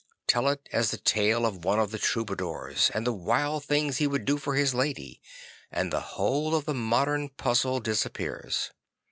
Tell it as the tale of one of the Troubadours, and the wild things he would do for his lady, and the whole of the modem puzzle disappears.